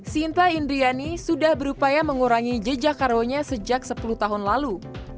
sinta indriani sudah berupaya mengurangi jejak karbonya sejak sepuluh tahun lalu